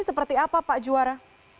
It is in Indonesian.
bapak bupati apa pak juara